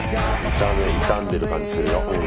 傷んでる感じするよ。